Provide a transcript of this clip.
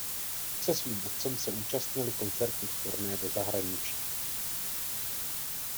Se svým otcem se účastnili koncertních turné do zahraničí.